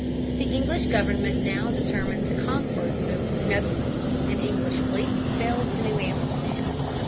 The English government now determined to conquer New Netherland. An English fleet sailed to New Amsterdam.